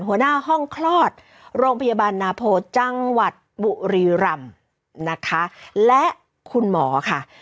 หัวหน้าห้องคลอดโรงพยาบาลนาโพจังหวัดบุรีรำนะคะและคุณหมอค่ะ